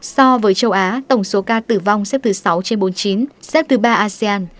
so với châu á tổng số ca tử vong xếp thứ sáu trên bốn mươi chín xếp thứ ba asean